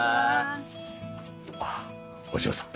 ああお嬢さん。